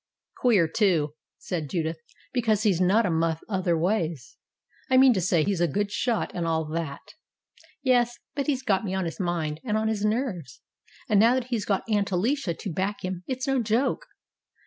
"Queer too," said Judith, "because he's not a muff other ways I mean to say he's a good shot and all that." "Yes, but he's got me on his mind and on his nerves, and now that he's got Aunt Alicia to back him it's no joke.